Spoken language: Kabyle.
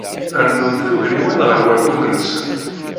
Rennunt tugniwin ɣer walbum-nsent.